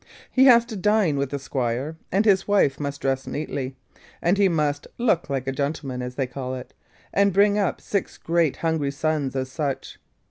He has to dine with the Squire: and his wife must dress neatly; and he must 'look like a gentleman,' as they call it, and bring up six great hungry sons as such.